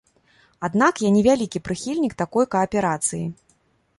Аднак я не вялікі прыхільнік такой кааперацыі.